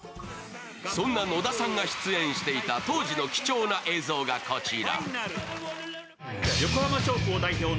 そんな野田さんが出演していた当時の貴重な映像がこちら。